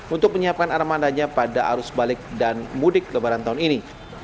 untuk menyiapkan armadanya pada arus balik dan mudik lebaran tahun ini